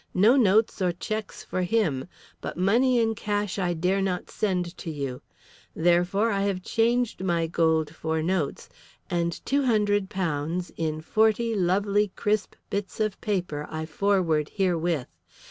No notes or cheques for him. But money in cash I dare not send to you. Therefore I have changed my gold for notes, and £200 in forty lovely crisp bits of paper I forward herewith.